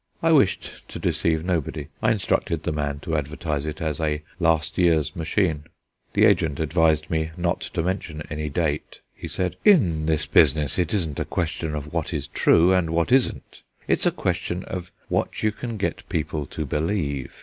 I wished to deceive nobody; I instructed the man to advertise it as a last year's machine. The agent advised me not to mention any date. He said: "In this business it isn't a question of what is true and what isn't; it's a question of what you can get people to believe.